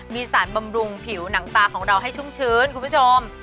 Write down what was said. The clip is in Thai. มีสารบำรุงผิวหนังตาของเราให้ชุ่มชื้นคุณผู้ชม